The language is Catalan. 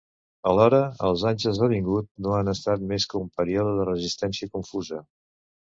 Alhora, els anys esdevinguts no han estat més que un període de resistència confusa.